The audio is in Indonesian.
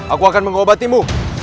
aku akan mengobatimu